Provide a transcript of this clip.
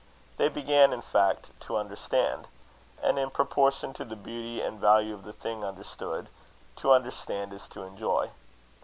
They began in fact to understand; and, in proportion to the beauty and value of the thing understood, to understand is to enjoy.